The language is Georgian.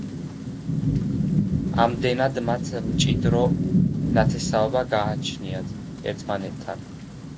ამდენად, მათ მჭიდრო ნათესაობა გააჩნიათ ერთმანეთთან.